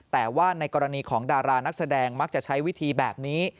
แต่ว่าในกรณีของดารานักแสดงมักจะใช้วิธีแบบนี้